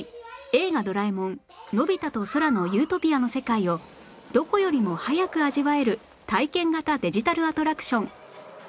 『映画ドラえもんのび太と空の理想郷』の世界をどこよりも早く味わえる体験型デジタルアトラクション